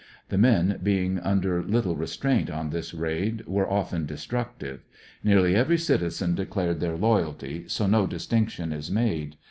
The men being under little restraint on this raid were of ten destructive. Nearly every citizen declared their loyalty, so no distinction is made.